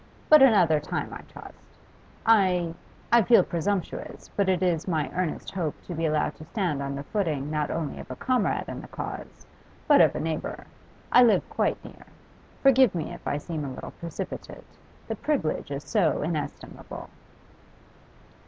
But another time, I trust. I I feel presumptuous, but it is my earnest hope to be allowed to stand on the footing not only of a comrade in the cause, but of a neighbour; I live quite near. Forgive me if I seem a little precipitate. The privilege is so inestimable.